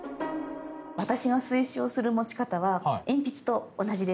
私が推奨する持ち方は鉛筆と同じです。